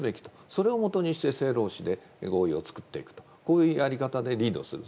それをもとに政労使で合意を作っていくというやり方でリードする。